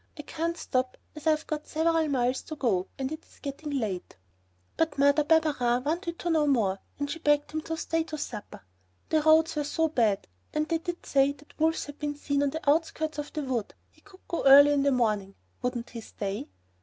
I can't stop as I've got several miles to go, and it's getting late." But Mother Barberin wanted to know more; she begged him to stay to supper. The roads were so bad! and they did say that wolves had been seen on the outskirts of the wood. He could go early in the morning. Wouldn't he stay?